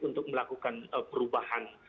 untuk melakukan perubahan